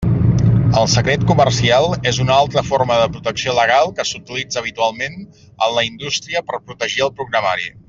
El secret comercial és una altra forma de protecció legal que s'utilitza habitualment en la indústria per protegir el programari.